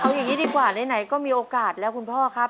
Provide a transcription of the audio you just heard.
เอาอย่างนี้ดีกว่าไหนก็มีโอกาสแล้วคุณพ่อครับ